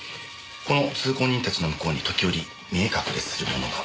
この通行人たちの向こうに時折見え隠れするものが。